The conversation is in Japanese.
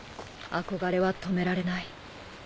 憧れは止められない。